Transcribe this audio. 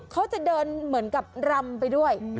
เขาจะเดินเหมือนกับรำไปด้วย